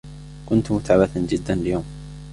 كنت متعبة جدا اليوم.